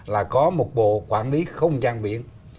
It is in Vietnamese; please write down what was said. là có một bộ quản lý không gian biển